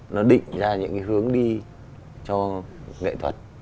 nó định ra những cái hướng đi cho nghệ thuật